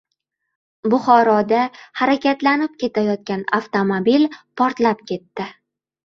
Buxoroda harakatlanib ketayotgan avtomobil portlab ketdi